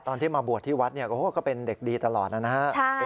ตอนที่มาบวชที่วัดก็เป็นเด็กดีตลอดนะฮะ